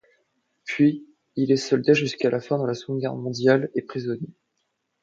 Puis il est soldat jusqu'à la fin de la Seconde Guerre mondiale et prisonnier.